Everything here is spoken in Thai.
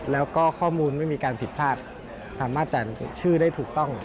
แล้วก็ข้อมูลไม่มีการผิดพลาดสามารถจัดชื่อได้ถูกต้อง